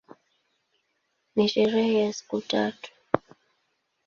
Ni sherehe ya siku tatu.